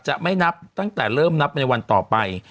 จะไม่นับตั้งแต่เริ่มนับในวันต่อไป